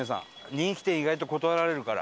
人気店意外と断られるから。